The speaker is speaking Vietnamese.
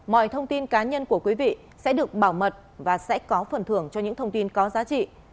mọi thông tin cá nhân của quý vị sẽ được bảo mật và sẽ có phần thưởng cho những thông tin có giá trị